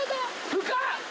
深っ！